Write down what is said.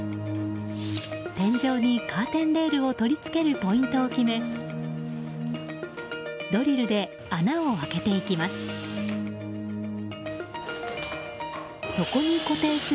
天井にカーテンレールを取り付けるポイントを決めドリルで穴を開けていきます。